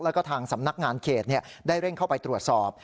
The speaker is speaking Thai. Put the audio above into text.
แล้วก็ทางสำนักงานเขตได้เร่งเข้าไปตรวจสอบ